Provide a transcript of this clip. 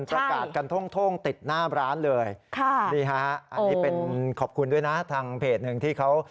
ประกาศกันโท่งติดหน้าร้านเลยค่ะนี่ฮะอันนี้เป็นขอบคุณด้วยนะทางเพจหนึ่งที่เขา